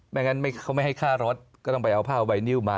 ไม่งั้นเขาไม่ให้ค่ารถก็ต้องไปเอาผ้าไวนิวมา